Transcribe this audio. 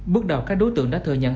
bước đầu các đối tượng đã thừa nhận